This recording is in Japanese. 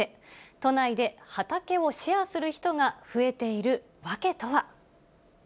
都内で畑をシェアする人が増えている訳とは。